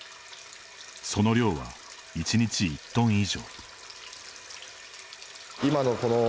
その量は、１日１トン以上。